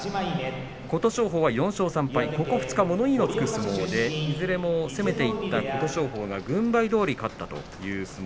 琴勝峰は４勝３敗、ここ２日物言いのつく相撲でいずれも攻めていった琴勝峰が軍配どおりに勝ちました。